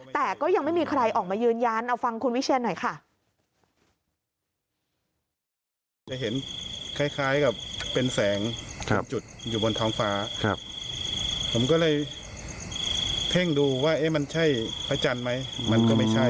แต่ก็ยังไม่มีใครออกมายืนยันเอาฟังคุณวิเชียนหน่อยค่ะ